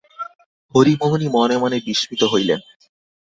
হরিমোহিনী মনে মনে বিস্মিত হইলেন।